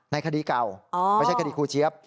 คดีเก่าไม่ใช่คดีครูเจี๊ยบ